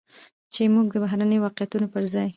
چې موږ د بهرنيو واقعيتونو پرځاى